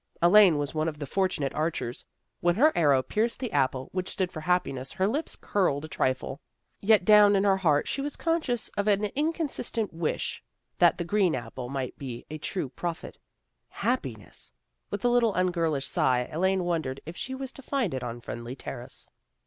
Elaine was one of the fortunate A HALLOWE'EN PARTY 77 archers. When her arrow pierced the apple which stood for happiness her lips curled a trifle; yet down in her heart she was conscious of an inconsistent wish that the green apple might be a true prophet. Happiness! With a little ungirlish sigh Elaine wondered if she was to find it on Friendly Terrace.